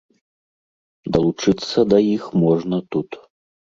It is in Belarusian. Далучыцца да іх можна тут.